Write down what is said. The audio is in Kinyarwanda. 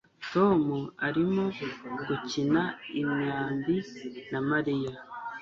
Tom arimo gukina imyambi na Mariya